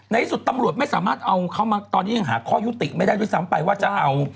ที่สุดตำรวจไม่สามารถเอาเขามาตอนนี้ยังหาข้อยุติไม่ได้ด้วยซ้ำไปว่าจะเอา